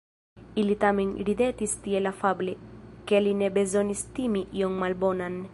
Ili tamen ridetis tiel afable, ke li ne bezonis timi ion malbonan.